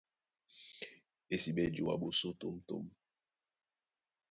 Ésiɓɛ́ joa ɓosó tǒmtǒm.